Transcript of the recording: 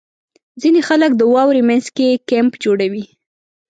• ځینې خلک د واورې مینځ کې کیمپ جوړوي.